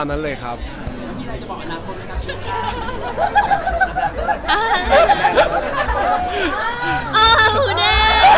ไงเนี่ยมึง